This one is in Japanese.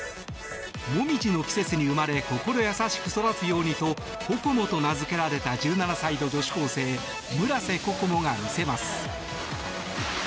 椛の季節に生まれ心優しく育つようにと「ここも」と名付けられた１７歳の女子高生村瀬心椛が見せます。